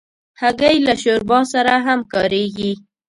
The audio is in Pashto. هګۍ له شوربا سره هم کارېږي.